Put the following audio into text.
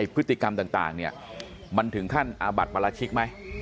พฤติกรรมต่างมันถึงขั้นอาบัติปราชิกไหม